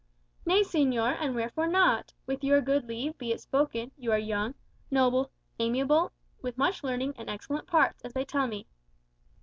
"Nay, señor, and wherefore not? With your good leave be it spoken, you are young, noble, amiable, with much learning and excellent parts, as they tell me."